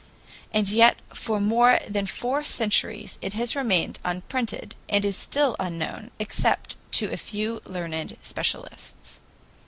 And yet for more than four centuries it has remained unprinted, and is still unknown, except to a few learned specialists.